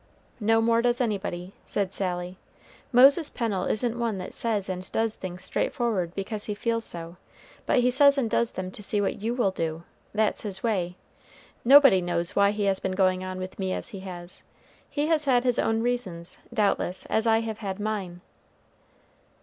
"No more does anybody," said Sally. "Moses Pennel isn't one that says and does things straightforward because he feels so; but he says and does them to see what you will do. That's his way. Nobody knows why he has been going on with me as he has. He has had his own reasons, doubtless, as I have had mine."